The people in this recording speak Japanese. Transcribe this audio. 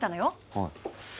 はい。